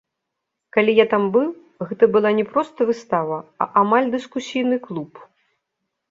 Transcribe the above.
Калі я там быў, гэта была не проста выстава, а амаль дыскусійны клуб.